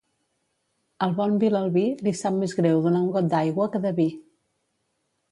Al bon vilalbí, li sap més greu donar un got d'aigua que de vi.